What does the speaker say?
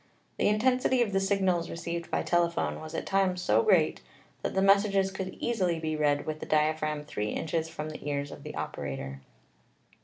The intensity of the signals re ceived by telephone was at times so great that the mes sages could easily be read with the diaphragm three inches from the ears of the operator.